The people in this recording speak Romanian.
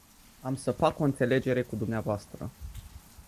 Am să fac o înțelegere cu dvs.